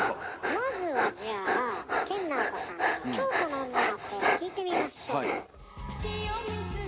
まずはじゃあ研ナオコさんの「京都の女の子」を聴いてみましょう。